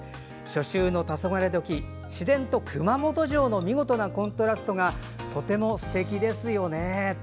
初秋のたそがれ時市電と熊本城の見事なコントラストがとてもすてきですよね。